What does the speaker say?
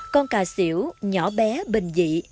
con cà xỉu nhỏ bé bình dị